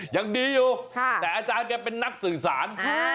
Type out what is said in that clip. ยังดีอยู่แต่อาจารย์แกเป็นนักสื่อสาร